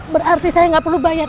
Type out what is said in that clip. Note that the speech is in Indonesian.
berarti saya nggak perlu bayar